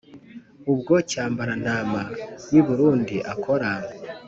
uwo cyambarantama w'i burundi akora